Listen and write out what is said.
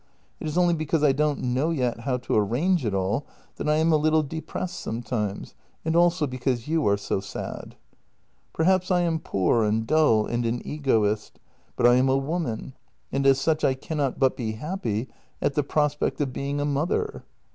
It is only because I don't know yet how to arrange it all that I am a little depressed sometimes, and also because you are so sad. " Perhaps I am poor and dull and an egoist, but I am a woman, and as such I cannot but be happy at the prospect of being a mother."